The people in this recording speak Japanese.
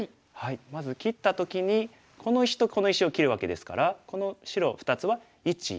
まず切った時にこの石とこの石を切るわけですからこの白２つは１２３手。